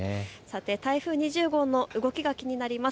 台風２０号の動きが気になります。